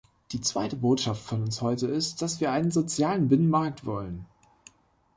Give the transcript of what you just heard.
Die zweite Botschaft von uns heute ist, dass wir einen sozialen Binnenmarkt wollen.